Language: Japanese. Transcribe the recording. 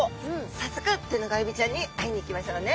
早速テナガエビちゃんに会いに行きましょうね。